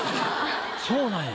そうなんや。